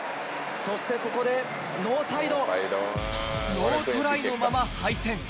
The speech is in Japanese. ノートライのまま敗戦。